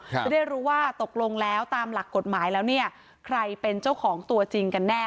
จะได้รู้ว่าตกลงแล้วตามหลักกฎหมายแล้วเนี่ยใครเป็นเจ้าของตัวจริงกันแน่